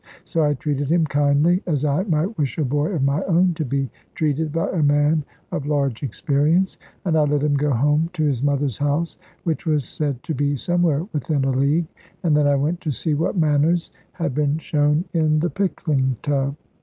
So I treated him kindly; as I might wish a boy of my own to be treated by a man of large experience. And I let him go home to his mother's house, which was said to be somewhere within a league, and then I went to see what manners had been shown in the pickling tub.